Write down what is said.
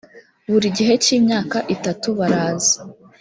buri gihe cy imyaka itatu baraza